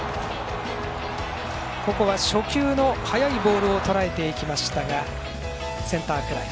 ここは初球の速いボールをとらえていきましたがセンターフライ。